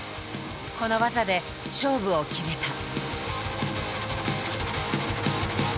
この技で勝負を決めた。